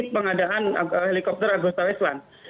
pengadaan helikopter agusta wiesland